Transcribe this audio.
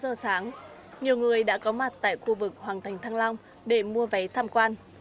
sáu giờ sáng nhiều người đã có mặt tại khu vực hoàng thành thăng long để mua vé tham quan